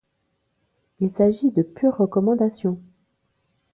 Il s'agit de pures recommandations.